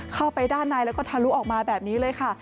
เข้าไปด้านในแล้วก็ทะลุออกมาแบบนี้เลยค่ะ